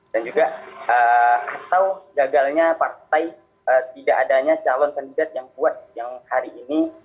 dan juga atau gagalnya partai tidak adanya calon kandidat yang buat yang hari ini